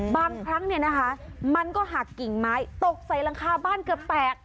บางครั้งเนี่ยนะคะมันก็หักกิ่งไม้ตกใส่หลังคาบ้านเกือบแตก